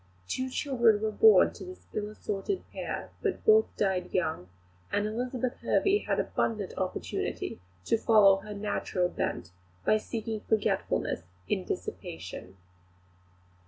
Two children were born to this ill assorted pair, but both died young; and Elizabeth Hervey had abundant opportunity to follow her natural bent, by seeking forgetfulness in dissipation.